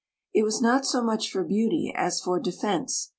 It was not so much for beauty as for defense.